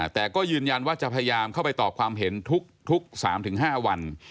แต่ก็ยืนยันว่าจะพยายามเข้าไปตอบความเห็นทุก๓๕วัน